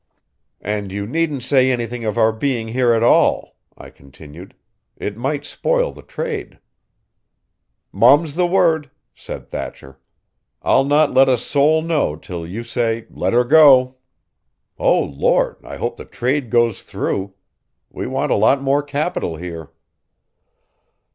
"And you needn't say anything of our being here at all," I continued. "It might spoil the trade." "Mum's the word," said Thatcher. "I'll not let a soul know till you say 'Let 'er go.' O Lord! I hope the trade goes through. We want a lot more capital here."